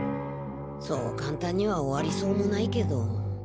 そうかんたんには終わりそうもないけど。